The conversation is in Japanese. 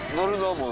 もう。